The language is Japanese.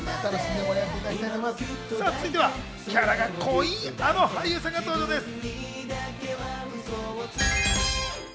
続いてはキャラが濃いあの俳優さんが登場です。